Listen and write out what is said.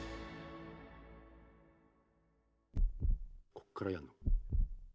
こっからやんの。